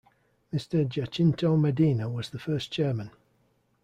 Mr. Jacinto Medina was the first chairman.